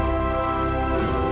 aku harus ke belakang